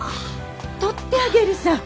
取ってあげるさぁ。